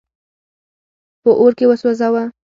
په اور کي وسوځاوه.